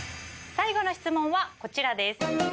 最後の質問はこちらです。